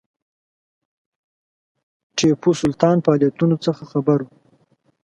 ټیپو سلطان فعالیتونو څخه خبر وو.